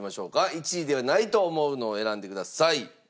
１位ではないと思うのを選んでください。